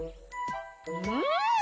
うん！